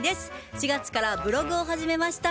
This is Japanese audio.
４月からブログを始めました。